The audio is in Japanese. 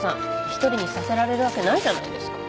一人にさせられるわけないじゃないですか